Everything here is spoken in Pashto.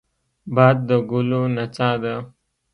باد د ګلو نڅا ده